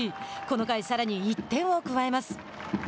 この回、さらに１点を加えます。